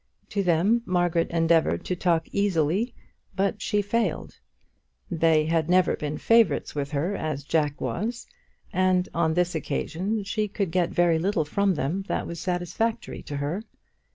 To them Margaret endeavoured to talk easily, but she failed. They had never been favourites with her as Jack was, and, on this occasion, she could get very little from them that was satisfactory to her.